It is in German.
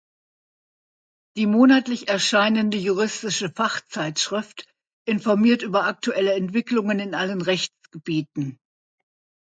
Die monatlich erscheinende juristische Fachzeitschrift informiert über aktuelle Entwicklungen in allen Rechtsgebieten.